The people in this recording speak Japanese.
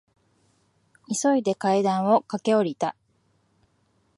急いで階段を駆け下りた。